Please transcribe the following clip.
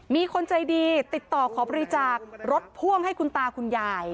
มีคนใจดีติดต่อขอบริจาครถพ่วงให้คุณตาคุณยาย